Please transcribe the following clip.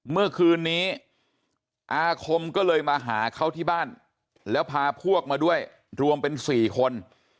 เมื่อคืนนี้อาคมก็เลยมาหาเขาที่บ้านแล้วพาพวกมาด้วยรวมเป็น๔คน